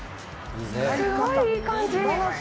すごいいい感じ。